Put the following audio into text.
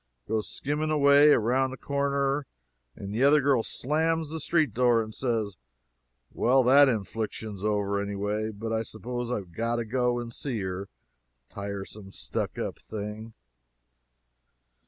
goes skimming away, round the corner; and the other girl slams the street door and says, "Well, that infliction's over, any way, but I suppose I've got to go and see her tiresome stuck up thing!"